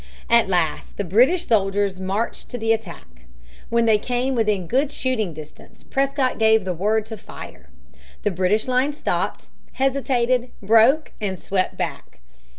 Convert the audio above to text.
At last the British soldiers marched to the attack. When they came within good shooting distance, Prescott gave the word to fire. The British line stopped, hesitated, broke, and swept back.